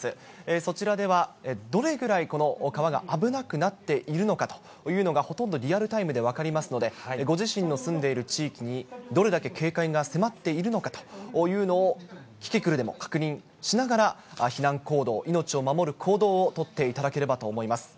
そちらでは、どれくらい川が危なくなっているのかというのが、ほとんどリアルタイムで分かりますので、ご自身の住んでいる地域にどれだけ警戒が迫っているのかというのを、キキクルでも確認しながら、避難行動、命を守る行動を取っていただければと思います。